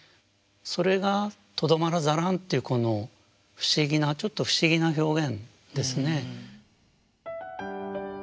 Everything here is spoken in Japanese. それが「とどまらざらん」というこの不思議なちょっと不思議な表現ですね。